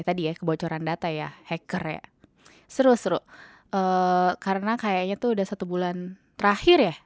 seru seru karena kayaknya tuh udah satu bulan terakhir ya